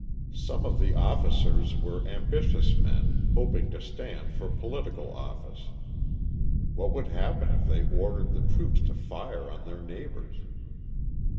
Some of the officers were ambitious men, hoping to stand for political office. What would happen if they ordered the troops to fire on their neighbours?